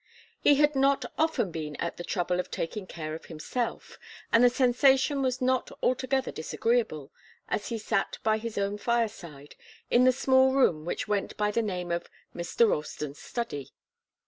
He had not often been at the trouble of taking care of himself, and the sensation was not altogether disagreeable, as he sat by his own fireside, in the small room which went by the name of 'Mr. Ralston's study.